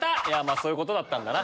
そういうことだったんだな。